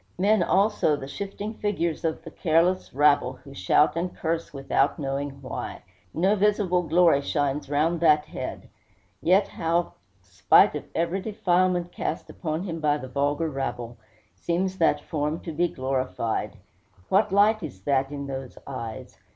Men, also, the shifting figures of the careless rabble, who shout and curse without knowing why. No visible glory shines round that head; yet how, spite of every defilement cast upon him by the vulgar rabble, seems that form to be glorified! What light is that in those eyes!